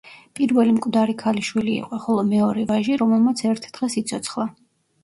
პირველი მკვდარი ქალიშვილი იყო, ხოლო მეორე ვაჟი, რომელმაც ერთ დღეს იცოცხლა.